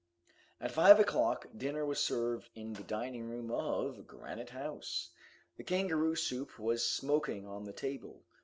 At five o'clock dinner was served in the dining room of Granite House. The kangaroo soup was smoking on the table.